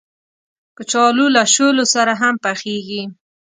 کچالو له شولو سره هم پخېږي